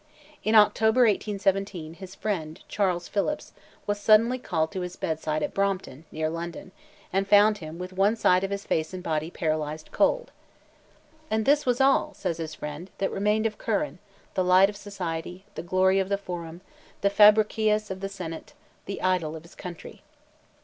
In October, 1817, his friend, Charles Phillips, was suddenly called to his bed side at Brompton, near London, and found him with one side of his face and body paralyzed cold. "And this was all," says his friend, "that remained of Curran—the light of society—the glory of the forum—the Fabricius of the senate—the idol of his country."